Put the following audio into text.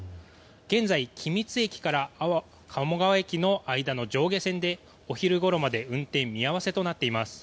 現在、君津駅から安房鴨川駅の間の上下線でお昼ごろまで運転見合わせとなっています。